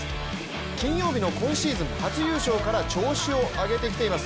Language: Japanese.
金曜日の今シーズン初優勝から調子を上げてきています。